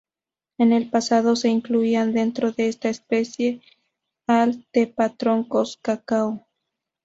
En el pasado se incluía dentro de esta especie al trepatroncos cacao.